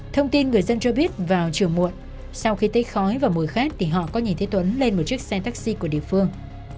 thông tin người dân cho biết vào chiều muộn sau khi thấy khói và mùi khét thì họ có nhìn thấy tuấn lên một chiếc xe taxi của địa phương